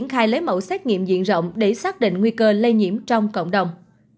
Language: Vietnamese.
khai lấy mẫu xét nghiệm diện rộng để xác định nguy cơ lây nhiễm trong cộng đồng